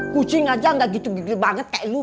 kucing aja gak gitu gigil banget kayak lo